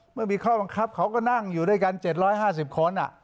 เมื่อมีข้อบังคับเขาก็นั่งอยู่ด้วยกัน๗๕๐คน